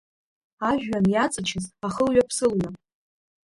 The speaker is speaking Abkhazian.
Ажәҩан иаҵачыз ахылҩаԥсылҩа…